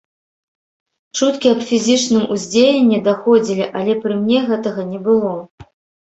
Чуткі аб фізічным уздзеянні даходзілі, але пры мне гэтага не было.